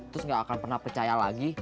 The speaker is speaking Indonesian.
terus gak akan pernah percaya lagi